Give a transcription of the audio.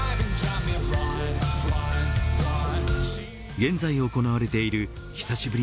現在行われている久しぶり